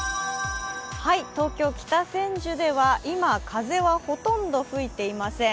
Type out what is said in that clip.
東京・北千住では今風はほとんど吹いていません。